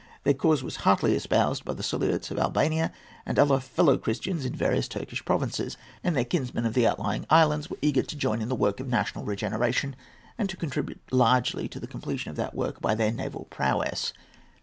Their cause was heartily espoused by the Suliots of Albania and other fellow Christians in the various Turkish provinces, and their kinsmen of the outlying islands were eager to join in the work of national regeneration, and to contribute largely to the completion of that work by their naval prowess.